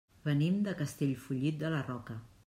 Venim de Castellfollit de la Roca.